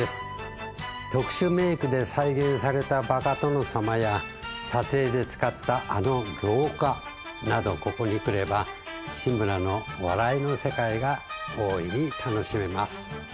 特殊メークで再現されたバカ殿様や撮影で使ったあの廊下などここに来れば志村の笑いの世界が大いに楽しめます。